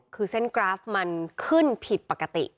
คือเส้นกราฟมันขึ้นผิดปกติ